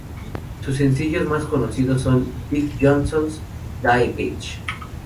Sus sencillos más conocidos son: "Dick Johnson", "Die Bitch!